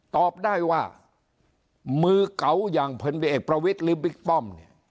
ตอบได้ว่ามือเก๋าอย่างพลเอกประวิทย์หรือบิ๊กป้อมเนี่ย